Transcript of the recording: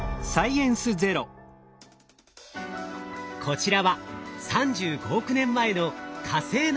こちらは３５億年前の火星の想像図。